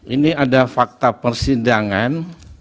ini ada fakta persidangan